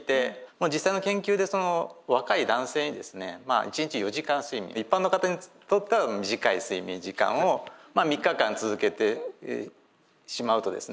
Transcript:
実際の研究でその若い男性にですね一日４時間睡眠一般の方にとったら短い睡眠時間を３日間続けてしまうとですね